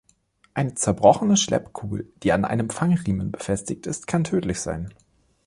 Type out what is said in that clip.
Eine zerbrochene Schleppkugel, die an einem Fangriemen befestigt ist, kann tödlich sein.